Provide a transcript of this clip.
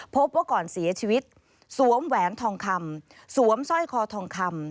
พบว่าก่อนเสียชีวิตสวมแหวนทองคำสวมสร้อยคอทองคำ